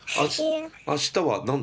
明日は何で？